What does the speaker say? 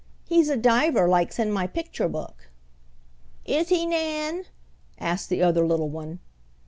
"He's a diver like's in my picture book." "Is he, Nan?" asked the other little one.